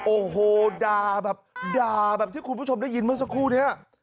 โอ้โหด่าแบบด่าแบบที่คุณผู้ชมได้ยินเมื่อสักครู่นี้